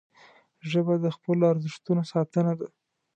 ژبه د خپلو ارزښتونو ساتنه ده